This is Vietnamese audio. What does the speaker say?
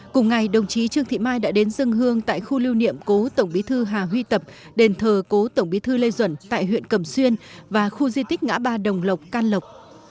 cùng ngày đồng chí trương thị mai đã đến dân hương tại khu lưu niệm cố tổng bí thư hà huy tập đền thờ cố tổng bí thư lê duẩn tại huyện cầm xuyên và khu di tích ngã ba đồng lộc can lộc